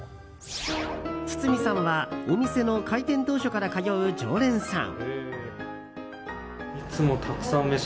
堤さんはお店の開店当初から通う常連さん。